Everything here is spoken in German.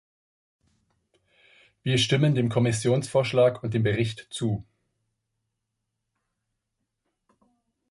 Wir stimmen dem Kommissionsvorschlag und dem Bericht zu.